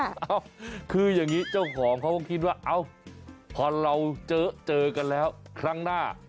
เอ้าคืออย่างนี้เจ้าของเขาก็คิดว่าเอ้าพอเราเจอกันแล้วครั้งหน้า